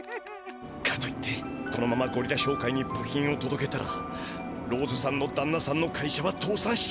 かといってこのままゴリラ商会に部品をとどけたらローズさんのだんなさんの会社はとうさんしちまう。